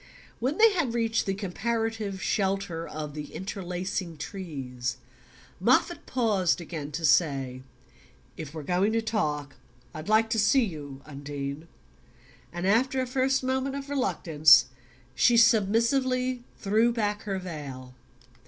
When they had reached the comparative shelter of the interlacing trees Moffatt paused again to say: "If we're going to talk I'd like to see you. Undine;" and after a first moment of reluctance she submissively threw back her veil.